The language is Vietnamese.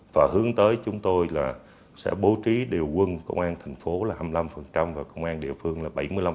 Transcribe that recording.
và hướng tới chúng tôi là sẽ bố trí điều quân công an thành phố là hai mươi năm và công an địa phương là bảy mươi năm